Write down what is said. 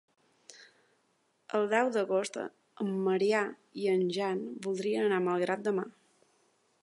El deu d'agost en Maria i en Jan voldrien anar a Malgrat de Mar.